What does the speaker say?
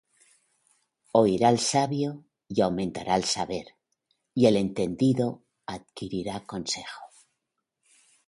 Oirá el sabio, y aumentará el saber; Y el entendido adquirirá consejo;